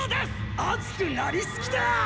あつくなりすぎだ！